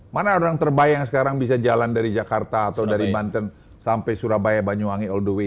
mana orang terbayang sekarang bisa jalan dari jakarta atau dari banten sampai surabaya banyuwangi all the way